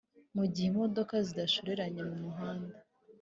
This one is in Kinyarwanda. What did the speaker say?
Mu gihe imodoka zishoreranye mu muhanda